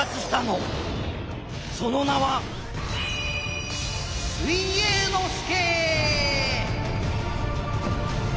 その名は水泳ノ介！